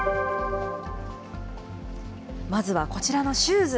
まずはこちらのシューズ。